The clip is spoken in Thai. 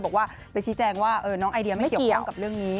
บอกว่าไปชี้แจงว่าน้องไอเดียไม่เกี่ยวข้องกับเรื่องนี้